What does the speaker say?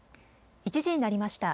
１時になりました。